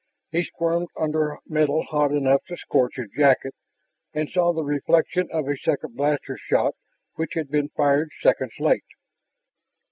He squirmed under metal hot enough to scorch his jacket and saw the reflection of a second blaster shot which had been fired seconds late.